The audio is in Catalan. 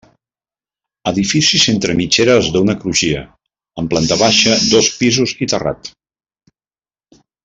Edificis entre mitgeres d'una crugia, amb planta baixa, dos pisos i terrat.